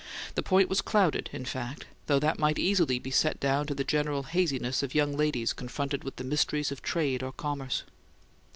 The point was clouded, in fact; though that might easily be set down to the general haziness of young ladies confronted with the mysteries of trade or commerce.